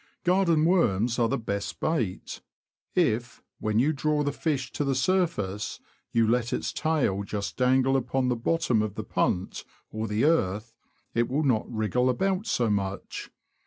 Garden worms are the best bait. If, when you draw the fish to the surface, you let its tail just dangle upon the bottom of the punt, or the earth, it will not wriggle about so much.